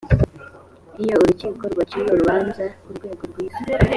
iyo urukiko rwaciye urubanza ku rwego rwiza